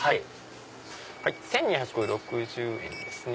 １２６０円ですね。